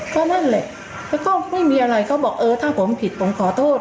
ก็นั่นแหละแล้วก็ไม่มีอะไรเขาบอกเออถ้าผมผิดผมขอโทษ